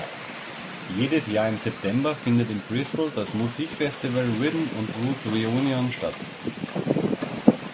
Jedes Jahr im September findet in Bristol das Musikfestival Rhythm and Roots Reunion statt.